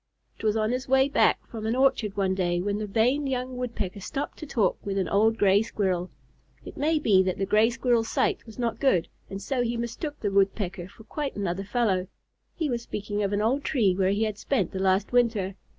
It was on his way back from an orchard one day, that the vain young Woodpecker stopped to talk with an old Gray Squirrel. It may be that the Gray Squirrel's sight was not good, and so he mistook the Woodpecker for quite another fellow. He was speaking of an old tree where he had spent the last winter.